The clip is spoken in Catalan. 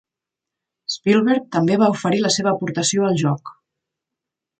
Spielberg també va oferir la seva aportació al joc.